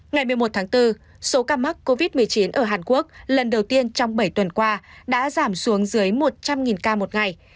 ngày một mươi một tháng bốn số ca mắc covid một mươi chín ở hàn quốc lần đầu tiên trong bảy tuần qua đã giảm xuống dưới một trăm linh ca một ngày